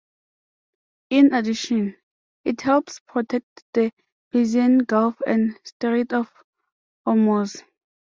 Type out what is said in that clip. In addition, it helps protect the Persian Gulf and Strait of Hormuz.